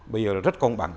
bây giờ rất công bằng